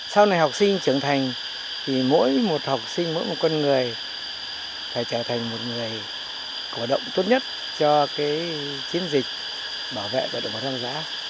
sau này học sinh trưởng thành thì mỗi một học sinh mỗi một con người phải trở thành một người cổ động tốt nhất cho chiến dịch bảo vệ động vật hoang dã